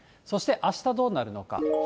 そしてあしたどうなるのか。